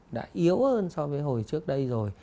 đã yếu hơn so với hồi trước đây rồi